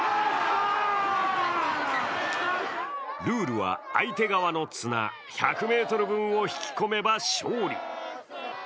ルールは、相手側の綱１００ｍ分を引き込めば勝利。